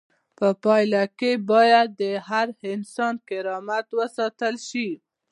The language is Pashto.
په پایله کې باید د هر انسان کرامت وساتل شي.